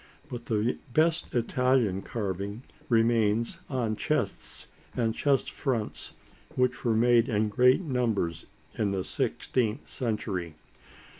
But the best Italian carving remains on chests and chest fronts which were made in great numbers in the sixteenth century.